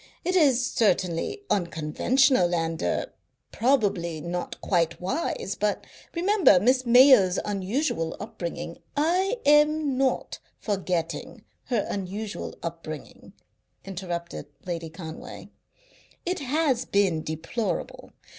It is certainly unconventional and er probably not quite wise, but remember Miss Mayo's unusual upbringing " "I am not forgetting her unusual upbringing," interrupted Lady Conway. "It has been deplorable.